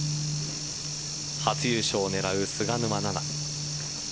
初優勝を狙う菅沼菜々。